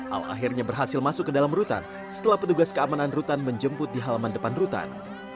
al akhirnya berhasil masuk ke dalam rutan setelah petugas keamanan rutan menjemput di halaman depan rutan